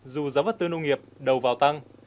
dù giáo vật tư nông nghiệp đầu vào tăng